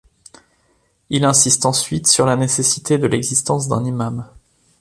Il insiste ensuite sur la nécessité de l'existence d'un imam.